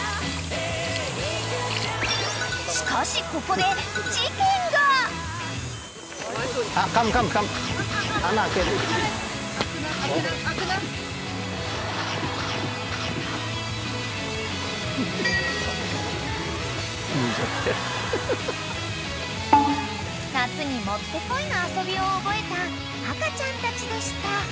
［しかしここで事件が］［夏にもってこいの遊びを覚えた赤ちゃんたちでした］